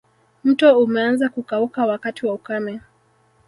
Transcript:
Mto umeanza kukauka wakati wa ukame